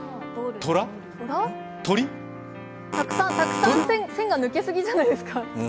たくさん線が抜けすぎじゃないですか？